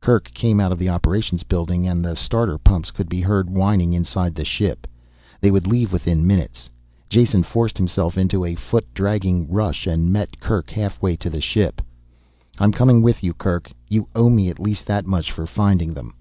Kerk came out of the operations building and the starter pumps could be heard whining inside the ship. They would leave within minutes. Jason forced himself into a foot dragging rush and met Kerk halfway to the ship. "I'm coming with you, Kerk. You owe me at least that much for finding them."